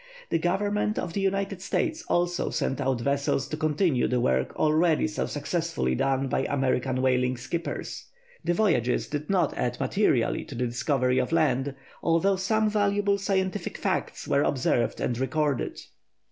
The Government of the United States also sent out vessels to continue the work already so successfully done by American whaling skippers. The voyages did not add materially to the discovery of land, although some valuable scientific facts were observed and recorded.